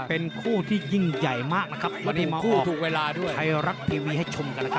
เป็นคู่ที่ยิ่งใหญ่มากนะครับวันนี้มาออกไทยรัฐทีวีให้ชมกันนะครับ